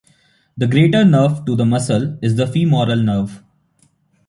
The greater nerve to the muscle is the femoral nerve.